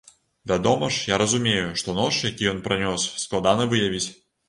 Вядома ж, я разумею, што нож, які ён пранёс, складана выявіць.